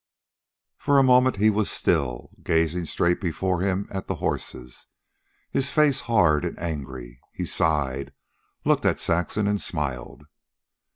For a moment he was still, gazing straight before him at the horses, his face hard and angry. He sighed, looked at Saxon, and smiled.